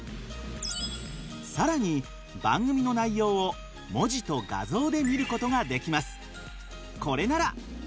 更に番組の内容を文字と画像で見ることができます。